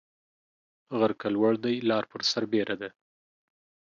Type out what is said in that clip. غر که لوړ دى ، لار پر سر بيره ده.